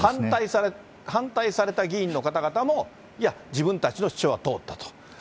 反対された議員の方々も、いや、自分たちの主張は通ったと。